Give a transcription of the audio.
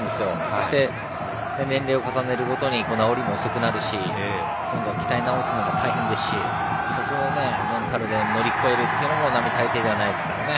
そして、年齢を重ねるごとに治りも遅くなるし鍛え直すのも大変ですしそこのメンタルで乗り越えるのも並大抵ではないですからね。